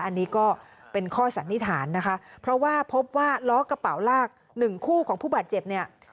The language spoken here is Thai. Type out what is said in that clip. อันนี้ก็เป็นข้อสันนิษฐานนะคะเพราะว่าพบว่าล้อกระเป๋าลากหนึ่งคู่ของผู้บาดเจ็บเนี่ย